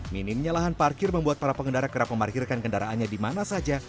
minimnya lahan parkir membuat para pengendara kerap memarkirkan kendaraannya di mana saja